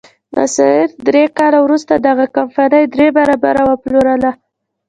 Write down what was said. نصر درې کاله وروسته دغه کمپنۍ درې برابره وپلورله.